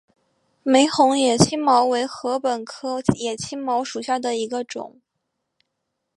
玫红野青茅为禾本科野青茅属下的一个种。